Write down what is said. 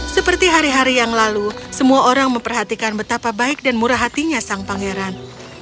seperti hari hari yang lalu semua orang memperhatikan betapa baik dan murah hatinya sang pangeran